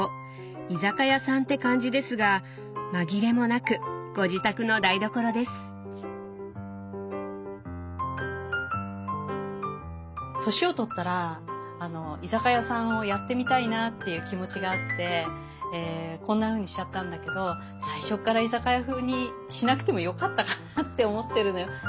居酒屋さんって感じですが紛れもなくご自宅の台所です。っていう気持ちがあってこんなふうにしちゃったんだけど最初から居酒屋風にしなくてもよかったかなって思ってるのよ。